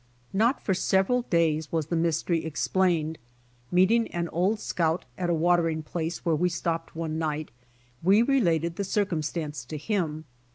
Not for several days was the mystery explained. Meeting an old scout at a watering place where we stopped one night, we related the circumstance to him.